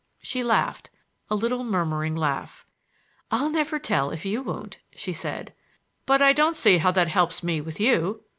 She laughed,—a little murmuring laugh. "I'll never tell if you won't," she said. "But I don't see how that helps me with you?"